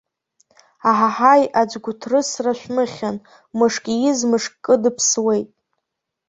Аҳаҳаи аӡә гәыҭрысра шәмыхьын, мышк ииз мышкы дыԥсуеит.